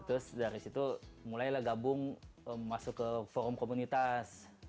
terus dari situ mulailah gabung masuk ke forum komunitas